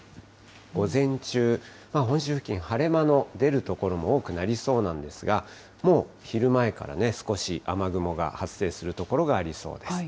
午前中、本州付近、晴れ間の出る所も多くなりそうなんですが、もう昼前からね、少し雨雲が発生する所がありそうです。